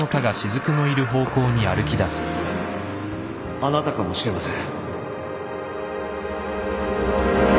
あなたかもしれません。